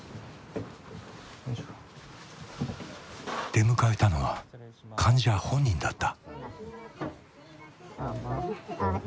出迎えたのは患者本人だった。